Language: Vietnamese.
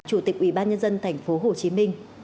chủ tịch ủy ban nhân dân tp hcm